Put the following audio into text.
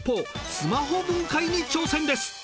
スマホ分解に挑戦です！